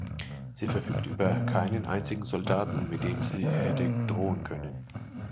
Sie verfügt über keinen einzigen Soldaten, mit dem sie hätte drohen können.